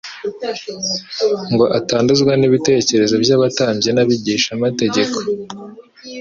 ngo atanduzwa n’ibitekerezo by’abatambyi n’abigishamategeko